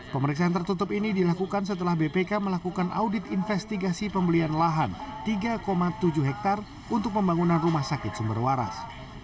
pemeriksaan tertutup ini dilakukan setelah bpk melakukan audit investigasi pembelian lahan tiga tujuh hektare untuk pembangunan rumah sakit sumber waras